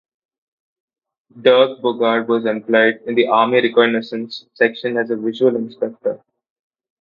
Dirk Bogarde was employed in the Army reconnaissance section as a visual inspector.